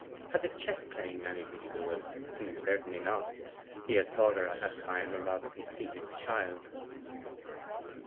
Had the chess playing anything to do with it? Certainly not: he had thought her at that time a rather conceited child.